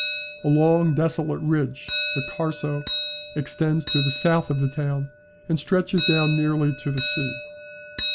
A long desolate ridge, the Carso, extends to the south of the town, and stretches down nearly to the sea.